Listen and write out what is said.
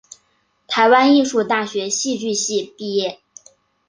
台湾艺术大学戏剧系毕业。